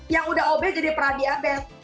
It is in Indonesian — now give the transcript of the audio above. yang udah obes jadi pra diabet